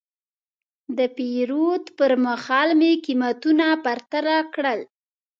د پیرود پر مهال مې قیمتونه پرتله کړل.